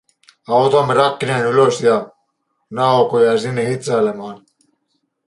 Autoimme rakkineen ylös ja Naoko jäi sinne hitsailemaan.